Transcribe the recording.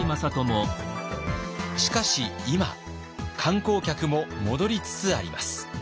しかし今観光客も戻りつつあります。